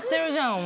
お前。